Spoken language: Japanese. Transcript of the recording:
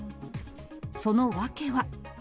その訳は。